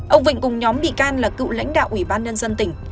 ông vịnh cùng nhóm bị can là cựu lãnh đạo ủy ban nhân dân tỉnh